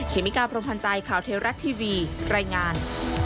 เมกาพรมพันธ์ใจข่าวเทวรัฐทีวีรายงาน